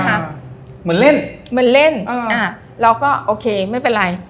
เหมือนเล่นเหมือนเล่นเราก็โอเคไม่เป็นไร